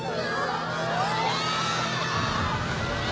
うわ！